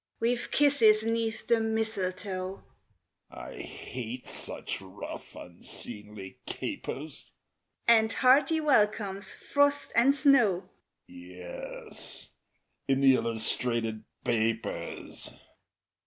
_) We've kisses 'neath the mistletoe (I hate such rough, unseemly capers!) And hearty welcomes, frost and snow; (_Yes, in the illustrated papers.